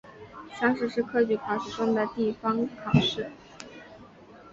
乡试是科举考试中的地方考试。